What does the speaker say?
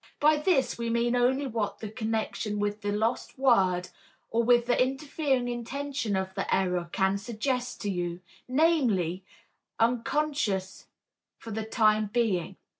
By this we mean only what the connection with the lost word or with the interfering intention of the error can suggest to you, namely, unconscious for the time being.